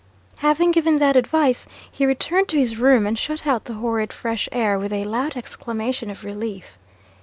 Having given that advice, he returned to his room, and shut out the horrid fresh air with a loud exclamation of relief.